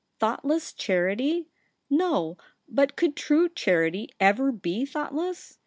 ' Thoughtless charity ? No ; but could true charity ever be thoughtless